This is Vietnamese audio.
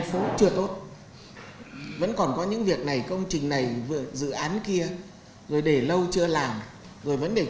phó chủ tịch quốc hội tòng thị phóng cũng đặt ra các vấn đề